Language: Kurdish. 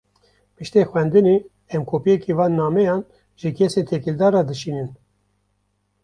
Piştî xwendinê, em kopyeke wan nameyan, ji kesên têkildar re dişînin